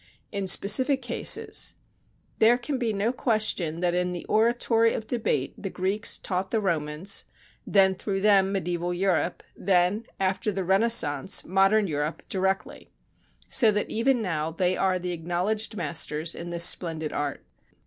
In specific cases: "There can be no question that in the oratory of debate the Greeks taught the Romans, then through them mediæval Europe, then, after the Renaissance, modern Europe directly, so that even now they are the acknowledged masters in this splendid art."